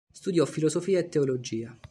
Studiò filosofia e teologia.